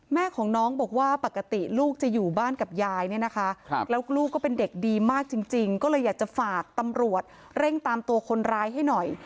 แม่ของน้องบอกว่าปกติลูกจะอยู่บ้านกับยายเนี่ยนะคะแล้วลูกก็เป็นเด็กดีมากจริงก็เลยอยากจะฝากตำรวจเร่งตามตัวคนร้ายให้หน่อย